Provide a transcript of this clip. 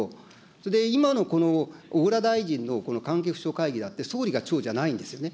それで、今のこの小倉大臣のこの関係府省会議だって、総理が長じゃないんですよね。